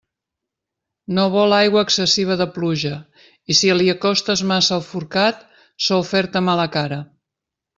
No vol aigua excessiva de pluja, i si li acostes massa el forcat, sol fer-te mala cara.